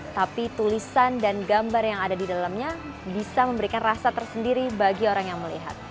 tapi tulisan dan gambar yang ada di dalamnya bisa memberikan rasa tersendiri bagi orang yang melihat